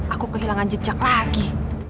aku kehilangan jejak lagi